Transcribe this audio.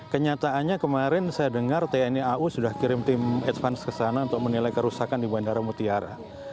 kenyataannya kemarin saya dengar tni au sudah kirim tim advance ke sana untuk menilai kerusakan di bandara mutiara